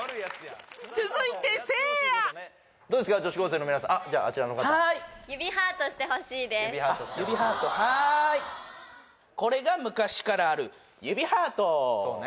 続いてせいやどうですか女子高生の皆さんじゃああちらの方指ハートはーいこれが昔からある指ハート